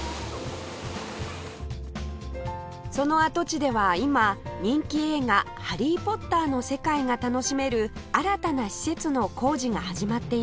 その跡地では今人気映画『ハリー・ポッター』の世界が楽しめる新たな施設の工事が始まっています